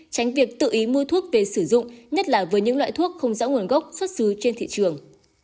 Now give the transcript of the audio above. tránh việc tự ý mua thuốc về sử dụng nhất là với những loại thuốc không rõ nguồn gốc xuất xứ trên thị trường